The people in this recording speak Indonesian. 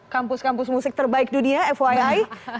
kampus kampus musik terbaik dunia fyi